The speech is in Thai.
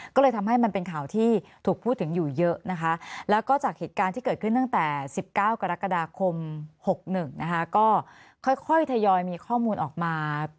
ก็เลยทำให้มันเป็นข่าวที่ถูกพูดถึงอยู่เยอะนะคะแล้วก็จากเหตุการณ์ที่เกิดขึ้นตั้งแต่๑๙กรกฎาคม๖๑นะคะก็ค่อยทยอยมีข้อมูลออกมา